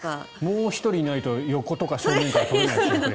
もう１人いないと横とか正面から撮れないですね。